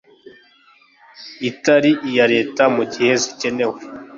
itari iya leta mu gihe zikenewe